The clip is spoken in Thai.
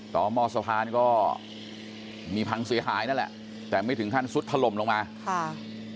หม้อสะพานก็มีพังเสียหายนั่นแหละแต่ไม่ถึงขั้นซุดถล่มลงมาค่ะ